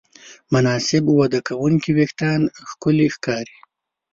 مناسب وده کوونکي وېښتيان ښکلي ښکاري.